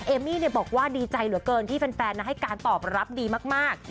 เอมมี่บอกว่าดีใจเหลือเกินที่แฟนให้การตอบรับดีมาก